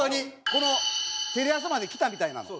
このテレ朝まで来たみたいなんです。